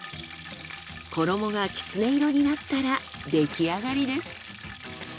衣がきつね色になったらできあがりです。